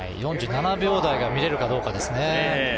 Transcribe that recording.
４７秒台が見れるかどうかですね。